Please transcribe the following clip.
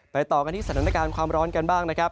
ต่อกันที่สถานการณ์ความร้อนกันบ้างนะครับ